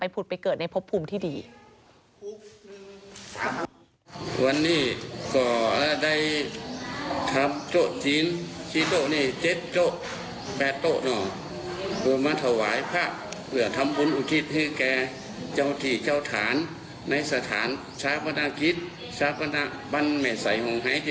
ไปพูดไปเกิดในภพภูมิที่ดี